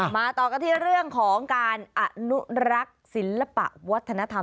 ต่อกันที่เรื่องของการอนุรักษ์ศิลปะวัฒนธรรม